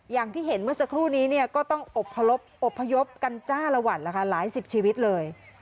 อย่างที่เห็นเมื่อสักครู่นี้ก็ต้องอบพยพกัญจาระหวัดหลายสิบชีวิตเลย